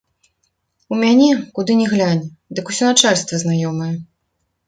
У мяне, куды ні глянь, дык усё начальства знаёмае.